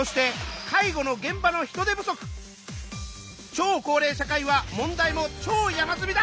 超高齢社会は問題も超山積みだ！